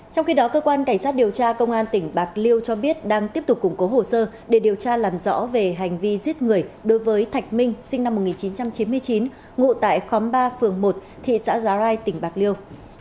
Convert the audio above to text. trong khi đó cơ quan cảnh sát điều tra công an tỉnh bạc liêu cho biết đang tiếp tục củng cố hồ sơ để điều tra làm rõ về hành vi giết người đối với thạch minh sinh năm một nghìn chín trăm chín mươi chín ngụ tại khóm ba phường một thị xã giá rai tỉnh bạc liêu